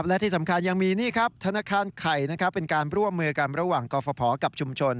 และที่สำคัญยังมีนี่ครับธนาคารไข่นะครับเป็นการร่วมมือกันระหว่างกรฟภกับชุมชน